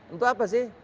untuk apa sih